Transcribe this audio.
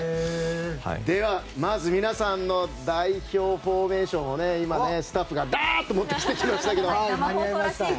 では、まず皆さんの代表フォーメーションをスタッフがダーッと持ってきてくれました。